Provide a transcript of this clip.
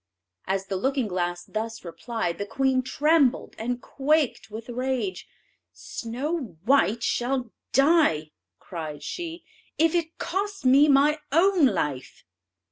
As the looking glass thus replied, the queen trembled and quaked with rage. "Snow white shall die," cried she, "if it costs me my own life!"